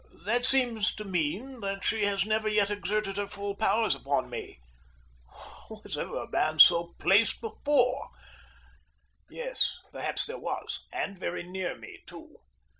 That seems to mean that she has never yet exerted her full powers upon me. Was ever a man so placed before? Yes, perhaps there was, and very near me, too.